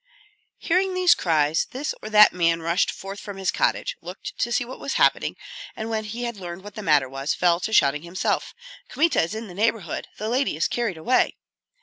Hearing these cries, this or that man rushed forth from his cottage, looked to see what was happening, and when he had learned what the matter was, fell to shouting himself, "Kmita is in the neighborhood; the lady is carried away!"